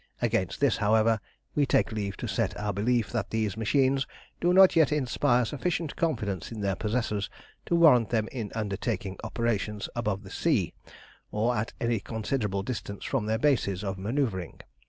Against this, however, we take leave to set our belief that these machines do not yet inspire sufficient confidence in their possessors to warrant them in undertaking operations above the sea, or at any considerable distance from their bases of manœuvring.